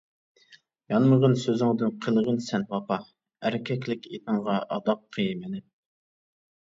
يانمىغىن سۆزۈڭدىن قىلغىن سەن ۋاپا، ئەركەكلىك ئېتىڭغا ئاداققى مىنىپ.